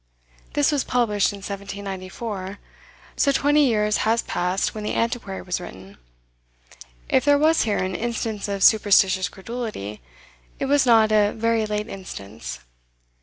This was published in 1794, so twenty years had passed when "The Antiquary" was written. If there was here an "instance of superstitious credulity," it was not "a very late instance."